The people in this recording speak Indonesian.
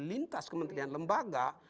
lintas kementerian lembaga